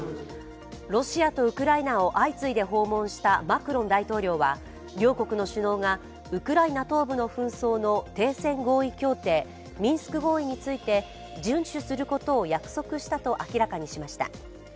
ロシアとウクライナを相次いで訪問したマクロン大統領は両国の首脳がウクライナ東部の紛争の停戦合意協定＝ミンスク合意について順守することを約束したと明らかにしました。